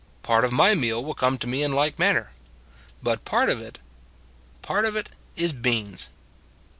Part of my meal will come to me in like manner. But part of it Part of it is beans.